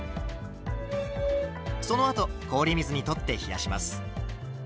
そのあと氷水にとって冷やします。